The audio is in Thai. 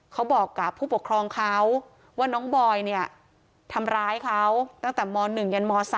เขาบอกกับผู้ปกครองเขาว่าน้องบอยเนี่ยทำร้ายเขาตั้งแต่ม๑ยันม๓